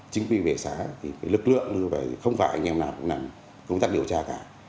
chính quyền vệ xã thì cái lực lượng như vậy không phải anh em nào cũng nằm công tác điều tra cả